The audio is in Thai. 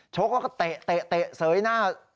กแล้วก็เตะเสยหน้า